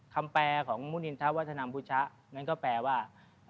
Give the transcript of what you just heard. แปลของมุนินทะวัฒนามบุชะนั้นก็แปลว่า